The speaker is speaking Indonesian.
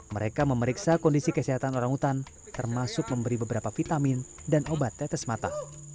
mereka memeriksa kondisi kesehatan orang hutan termasuk memberi beberapa vitamin dan obat tetes mata